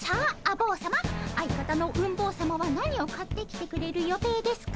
坊さま相方のうん坊さまは何を買ってきてくれる予定ですか？